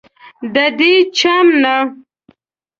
ددې چم نه